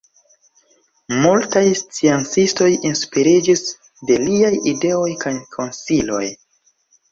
Multaj sciencistoj inspiriĝis de liaj ideoj kaj konsiloj.